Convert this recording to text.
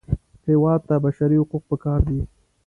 هېواد ته بشري حقوق پکار دي